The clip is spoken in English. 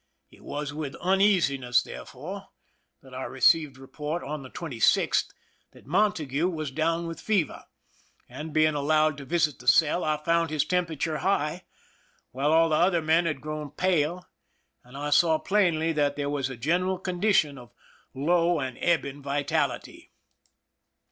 It was with uneasiness, therefore, that I received report, on the 26th, that Montague was down with fever ; and being allowed to visit the cell, I found his temperature high, while all the other men had grown pale, and I saw plainly that there was a general condition of low and ebbing vitality.